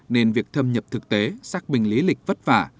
nên việc thâm nhập thực tế xác bình lý lịch vất vả